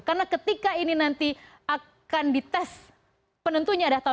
karena ketika ini nanti akan dites penentunya ada tahun dua ribu delapan belas